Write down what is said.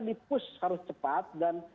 dipus harus cepat dan